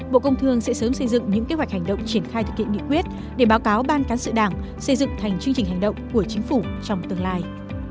bộ công thương sẽ sớm xây dựng những kế hoạch hành động triển khai thực hiện nghị quyết để báo cáo ban cán sự đảng xây dựng thành chương trình hành động của chính phủ trong tương lai